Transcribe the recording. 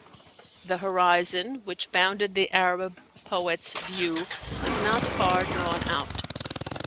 The horizon which bounded the Arab poet's view was not far drawn out.